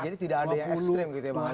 jadi tidak ada yang ekstrim gitu ya bang hasey